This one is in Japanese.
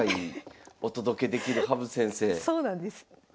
そうなんです。